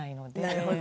なるほど。